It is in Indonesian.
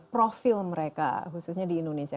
profil mereka khususnya di indonesia